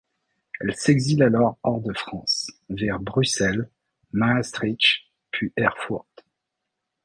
Elle s'exile alors hors de France, vers Bruxelles, Maastricht puis Erfurt.